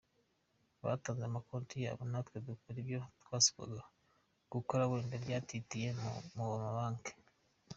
Batanze amakonti yabo natwe dukora ibyo twasabwaga gukora wenda byatitiye mu ma banki.